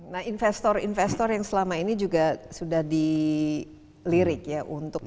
nah investor investor yang selama ini juga sudah dilirik ya untuk